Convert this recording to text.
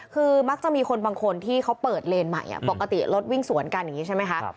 คือมักจะมีคนบางคนที่เขาเปิดเลนใหม่ปกติรถวิ่งสวนกันอย่างนี้ใช่ไหมคะ